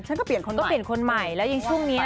ฉันก็เปลี่ยนคนก็เปลี่ยนคนใหม่แล้วยังช่วงนี้